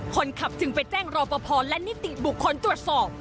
คนขับจึงไปแจ้งรอปภและนิติบุคคลตรวจสอบ